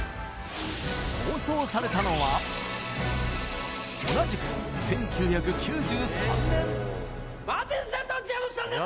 放送されたのは同じく１９９３年マーティン・ＳＴ・ジェームスさんです